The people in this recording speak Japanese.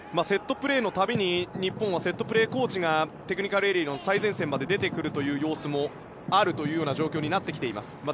セットプレーの度に日本は、セットプレーコーチがテクニカルエリアの最前線まで出てくる様子もあるというような状況になってきています。